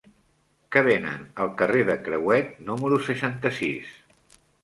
Què venen al carrer de Crehuet número seixanta-sis?